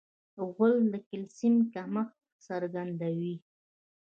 غول د کلسیم کمښت څرګندوي.